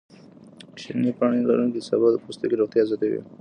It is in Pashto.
شنې پاڼې لروونکي سابه د پوستکي روغتیا زیاتوي.